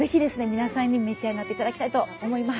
皆さんに召し上がっていただきたいと思います。